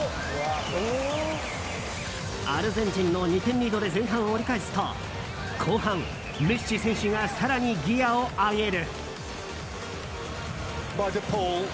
アルゼンチンの２点リードで前半を折り返すと後半、メッシ選手が更にギアを上げる。